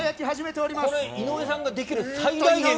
これ、井上さんができる最大限の。